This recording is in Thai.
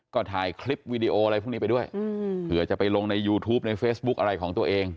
ก็ถ่ายคลิปวิดีโออะไรพวกนี้ไปด้วยเผื่อจะไปลงในยูทูปในเฟซบุ๊กอะไรของตัวเอง